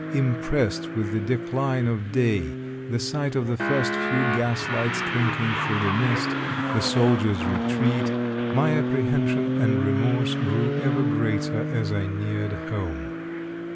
Impressed with the decline of day, the sight of the first few gaslights twinkling through the mist, the Soldiers' Retreat, my apprehension and remorse grew ever greater as I neared home.